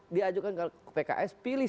diajukan ke pks pilih